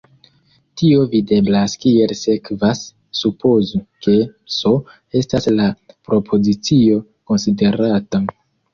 Tio videblas kiel sekvas: supozu ke "S" estas la propozicio konsiderata.